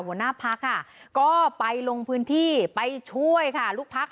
หัวหน้าพักค่ะก็ไปลงพื้นที่ไปช่วยค่ะลูกพัก